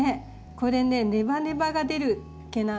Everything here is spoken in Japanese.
これねネバネバが出る毛なの。